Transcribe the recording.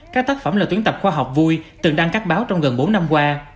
các tác phẩm là tuyến tập khoa học vui từng đăng các báo trong gần bốn năm qua